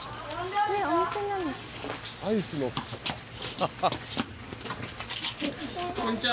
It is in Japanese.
ああこんにちは。